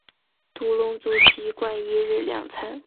独龙族习惯一日两餐。